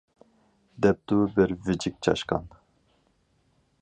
- دەپتۇ بىر ۋىجىك چاشقان.